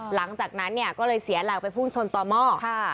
หลังจากนั้นก็เลยเสียหลากไปฟุ่งชนต่อมอก